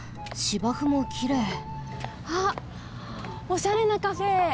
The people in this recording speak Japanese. あっおしゃれなカフェ！